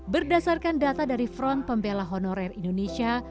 berdasarkan data dari front pembela honorer indonesia